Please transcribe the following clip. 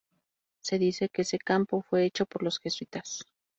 Se dice que ese campo fue hecho por los Jesuitas.